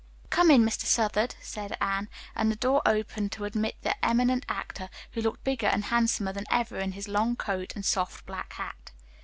"Come in, Mr. Southard," said Anne, and the door opened to admit the eminent actor, who looked bigger and handsomer than ever in his long coat and soft black hat.